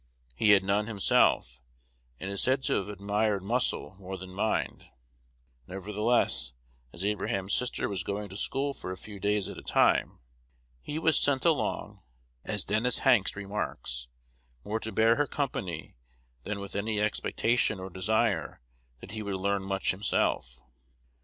He had none himself, and is said to have admired "muscle" more than mind. Nevertheless, as Abraham's sister was going to school for a few days at a time, he was sent along, as Dennis Hanks remarks, more to bear her company than with any expectation or desire that he would learn much himself.